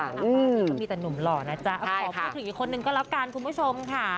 อันนี้ก็มีแต่หนุ่มหล่อนะจ๊ะขอพูดถึงอีกคนนึงก็แล้วกันคุณผู้ชมค่ะ